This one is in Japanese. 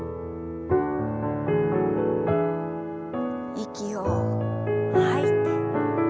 息を吐いて。